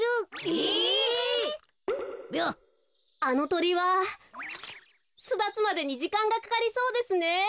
あのトリはすだつまでにじかんがかかりそうですね。